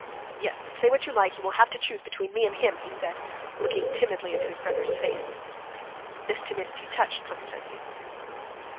"Yes, but say what you like, you will have to choose between me and him," he said, looking timidly into his brother's face. This timidity touched Konstantin.